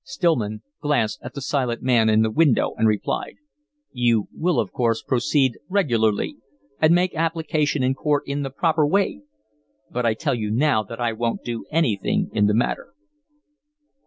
Stillman glanced at the silent man in the window and replied: "You will, of course, proceed regularly and make application in court in the proper way, but I tell you now that I won't do anything in the matter."